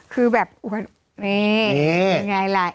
คือแบบเนี่ยมันยังไงล่ะ